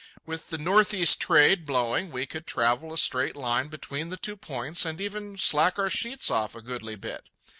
With the northeast trade blowing we could travel a straight line between the two points, and even slack our sheets off a goodly bit.